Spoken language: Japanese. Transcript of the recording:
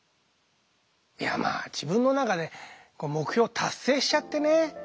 いやまあ自分の中で目標を達成しちゃってね。